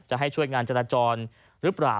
จะให้ช่วยงานจราจรหรือเปล่า